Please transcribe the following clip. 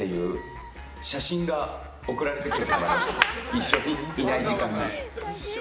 一緒にいない時間に。